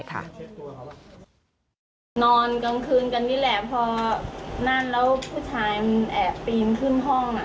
นอนกลางคืนกันนี่แหละพอนั่นแล้วผู้ชายมันแอบปีนขึ้นห้องอ่ะ